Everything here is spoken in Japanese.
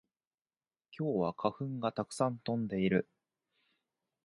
今日は花粉がたくさん飛んでいる